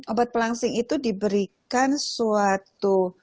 obat pelangsing itu diberikan suatu